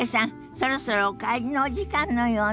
そろそろお帰りのお時間のようね。